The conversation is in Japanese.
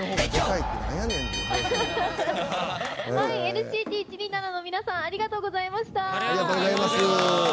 ＮＣＴ１２７の皆さんありがとうございました。